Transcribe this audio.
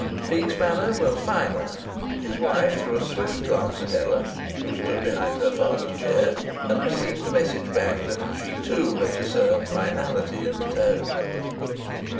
Peake's manner was final. His wife threw a swift glance at Ella, who stood behind her father's chair, and received a message back that she too had discerned finality in the tone.